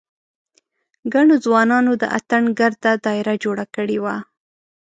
ګڼو ځوانانو د اتڼ ګرده داېره جوړه کړې وه.